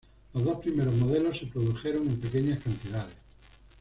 Los dos primeros modelos se produjeron en pequeñas cantidades.